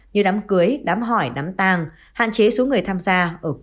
như đám cưới đám hỏi đám tàng hạn chế số người tham gia